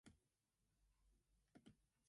It has since fallen almost entirely from use.